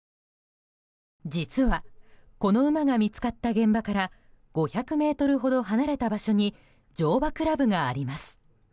実は、この馬が見つかった現場から５００ｍほど離れた場所に乗馬クラブがあります。